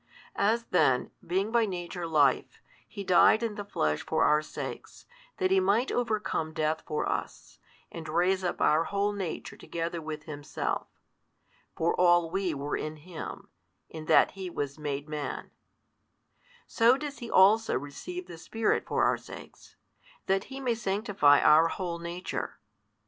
As then, being by |143 Nature Life, He died in the Flesh for our sakes, that He might overcome death for us, and raise up our whole nature together with Himself (for all we were in Him, in that He was made Man): so does He also receive the Spirit for our sakes, that He may sanctify our whole nature.